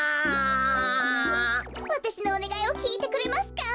わたしのおねがいをきいてくれますか？